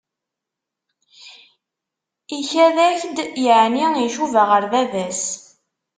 Ikad-ak-d yeεni icuba ɣer baba-s?